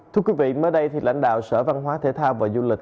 thưa quý vị mới đây thì lãnh đạo sở văn hóa thể thao và du lịch